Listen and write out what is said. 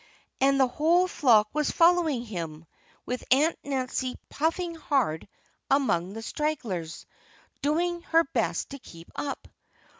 And the whole flock was following him, with Aunt Nancy puffing hard among the stragglers, doing her best to keep up.